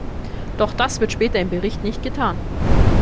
Doch das wird später im Bericht nicht getan.